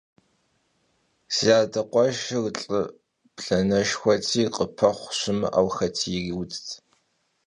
Si ade khueşşır lh'ı blaneşşxueti, khıpexhu şımı'eu xeti yiriudt.